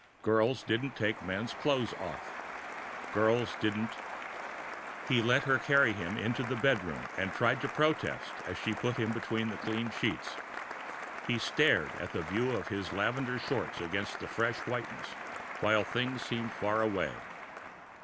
Girls didn't take a man's clothes off. Girls didn't.... He let her half carry him into the bedroom, and tried to protest as she put him between clean sheets. He stared at the view of his lavender shorts against the fresh whiteness, while things seemed far away.